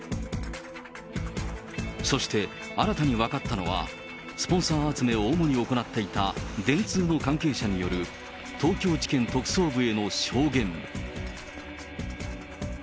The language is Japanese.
そして新たに分かったのは、スポンサー集めを主に行っていた、電通の関係者による、東京地検特捜部への証言。